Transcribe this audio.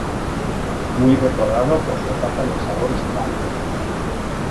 Muy recordado por su etapa en el Sabor Hispano.